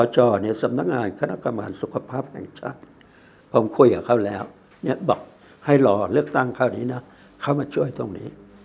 คณะงานสุขภาพแห่งชาติผมคุยกับเขาแล้วบอกให้รอเลือกตั้งข้าวนี้นะเข้ามาช่วยตรงนี้